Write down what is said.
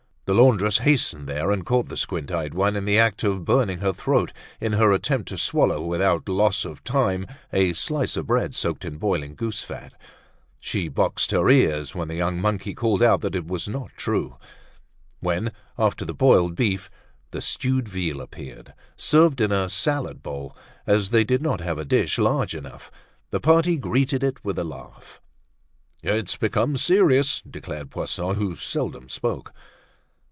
The laundress hastened there and caught the squint eyed one in the act of burning her throat in her attempts to swallow without loss of time a slice of bread soaked in boiling goose fat. She boxed her ears when the young monkey called out that it was not true. When, after the boiled beef, the stewed veal appeared, served in a salad bowl, as they did not have a dish large enough, the party greeted it with a laugh. "It's becoming serious," declared Poisson, who seldom spoke.